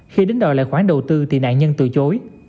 khi đến đòi lại khoản đầu tư thì nạn nhân từ chối